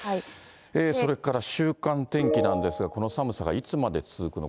それから週間天気なんですが、この寒さがいつまで続くのか。